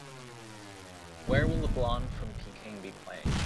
Where will The Blonde from Peking be playing